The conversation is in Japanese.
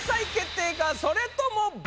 それとも。